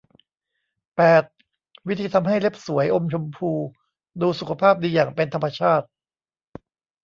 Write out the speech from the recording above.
แปด วิธีทำให้เล็บสวย อมชมพู ดูสุขภาพดีอย่างเป็นธรรมชาติ